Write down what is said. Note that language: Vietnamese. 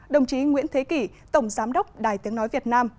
đồng chí nguyễn thế kỷ tổng giám đốc đài tiếng nói việt nam